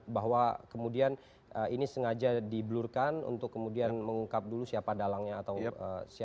bahwa kemudian ini sengaja dibelurkan untuk kemudian mengungkap dulu siapa dalangnya atau siapa